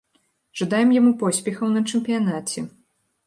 Жадаем яму поспехаў на чэмпіянаце.